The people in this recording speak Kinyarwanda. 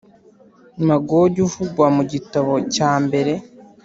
Magogi uvugwa mu gitabo cya mbere